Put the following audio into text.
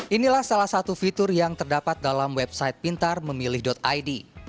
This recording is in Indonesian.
inilah salah satu fitur yang terdapat dalam website pintarmemilih id